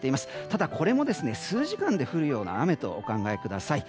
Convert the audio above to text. ただ、これも数時間で降るような雨とお考えください。